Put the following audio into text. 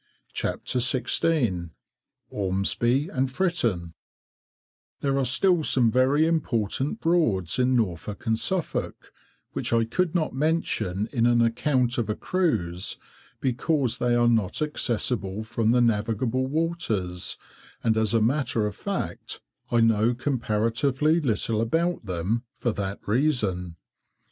[Picture: Decorative drop capital] There are still some very important Broads in Norfolk and Suffolk, which I could not mention in an account of a cruise, because they are not accessible from the navigable waters, and, as a matter of fact, I know comparatively little about them for that reason.